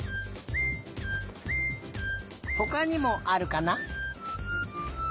ほかにもあるかな？